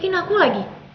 bilang aku gak peka lah